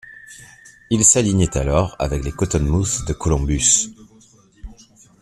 Il s'alignait alors avec les Cottonmouths de Columbus.